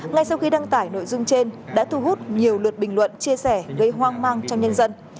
ngay sau khi đăng tải nội dung trên đã thu hút nhiều lượt bình luận chia sẻ gây hoang mang trong nhân dân